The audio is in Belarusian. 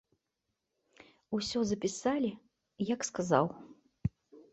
Усё запісалі, як сказаў.